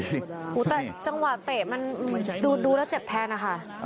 แต่จังหวะเตะมันดูแล้วเจ็บแทนนะคะ